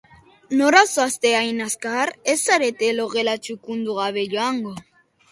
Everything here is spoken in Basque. Nora zoazte hain azkar? Ez zarete logela txukundu gabe joango.